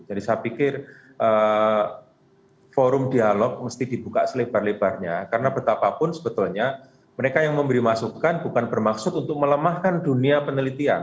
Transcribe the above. jadi saya pikir forum dialog mesti dibuka selebar lebarnya karena betapapun sebetulnya mereka yang memberi masukan bukan bermaksud untuk melemahkan dunia penelitian